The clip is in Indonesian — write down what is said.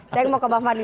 saya mau ke pak fadli